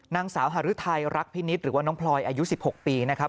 นางสาวหารุทัยรักพินิษฐ์หรือว่าน้องพลอยอายุ๑๖ปีนะครับ